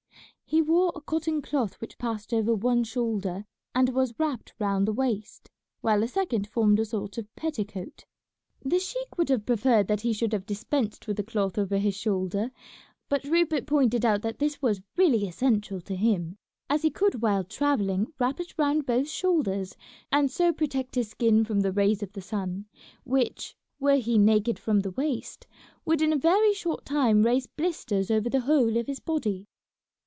He wore a cotton cloth which passed over one shoulder and was wrapped round the waist, while a second formed a sort of petticoat. The sheik would have preferred that he should have dispensed with the cloth over his shoulder, but Rupert pointed out that this was really essential to him, as he could while travelling wrap it round both shoulders and so protect his skin from the rays of the sun, which, were he naked from the waist, would in a very short time raise blisters over the whole of his body.